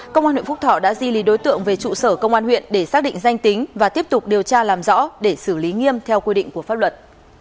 công an huyện phúc thọ đã di lý đối tượng về trụ sở công an huyện để xác định danh tính và tiếp tục điều tra làm rõ để xử lý nghiêm theo quy định của pháp luật